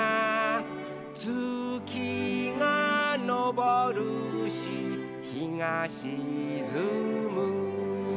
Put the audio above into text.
「つきがのぼるしひがしずむ」